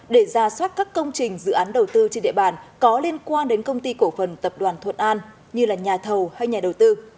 để ra soát các công trình dự án đầu tư trên địa bàn có liên quan đến công ty cổ phần tập đoàn thuận an như nhà thầu hay nhà đầu tư